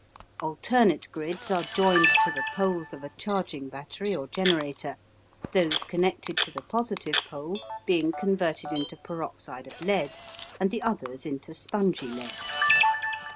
Alternate grids are joined to the poles of a charging battery or generator, those connected to the positive pole being converted into peroxide of lead and the others into spongy lead.